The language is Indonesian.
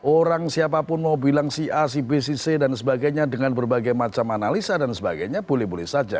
orang siapapun mau bilang si a si b si c dan sebagainya dengan berbagai macam analisa dan sebagainya boleh boleh saja